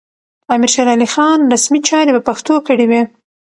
امیر شېرعلي خان رسمي چارې په پښتو کړې وې.